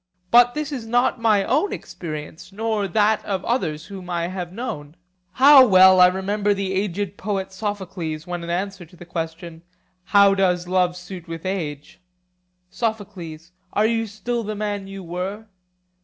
But this is not my own experience, nor that of others whom I have known. How well I remember the aged poet Sophocles, when in answer to the question, How does love suit with age, Sophocles,—are you still the man you were?